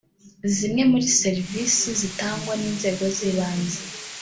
zimwe mur serivisi zitangwa n inzego z ibanze